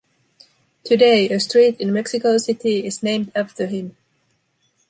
Today, a street in Mexico City is named after him.